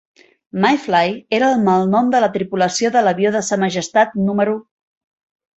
"Mayfly" era el malnom de la tripulació de l'avió de Sa Majestat número